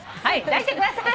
出してください。